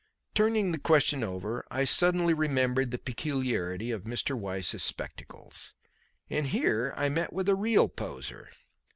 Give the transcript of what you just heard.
Turning this question over, I suddenly remembered the peculiarity of Mr. Weiss's spectacles. And here I met with a real poser.